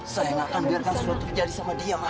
sayang akan biarkan sesuatu terjadi sama dia ma